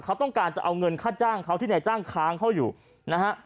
เขาต้องการจะเอาเงินค่าจ้างเขาที่นายจ้างค้างเขาอยู่นะฮะ